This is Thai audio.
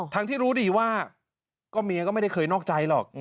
ที่รู้ดีว่าก็เมียก็ไม่ได้เคยนอกใจหรอก